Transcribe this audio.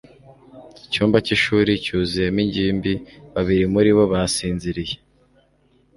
icyumba cy'ishuri cyuzuyemo ingimbi. babiri muri bo basinziriye